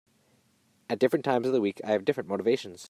At different times of the week I have different motivations.